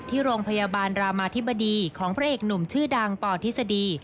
ที่โรงพยาบาลรามาธิบดีของพระเอกหนุ่มชื่อดังปธิษฎี